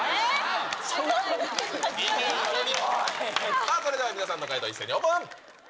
さあ、それでは皆さんの回答を一斉にオープン。